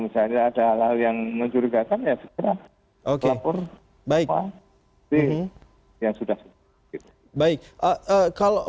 misalnya ada hal yang mencurigakan ya oke ok terima kasih hai yang slain yg baik sampai kalau